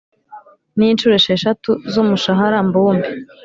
n inshuro esheshatu z umushahara mbumbe